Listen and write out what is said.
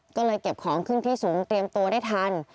ก็เลยเก็บของขึ้นที่สูงเตรียมตัวได้ทัน